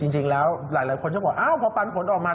จริงแล้วหลายคนก็บอกอ้าวพอปันผลออกมา